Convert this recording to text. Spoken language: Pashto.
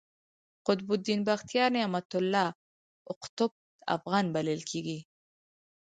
قطب الدین بختیار، نعمت الله اقطب افغان بللی دﺉ.